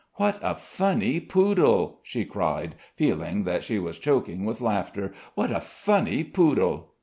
"What a funny poodle!" she cried, feeling that she was choking with laughter. "What a funny poodle!"